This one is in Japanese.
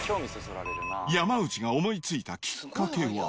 山内が思いついたきっかけは。